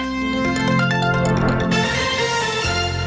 สวัสดีครับ